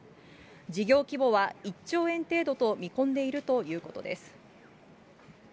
事業規模は１兆円程度と見込んでいるということです。